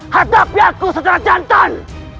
hadapi aku secara jantan